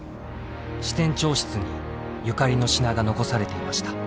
支店長室にゆかりの品が残されていました。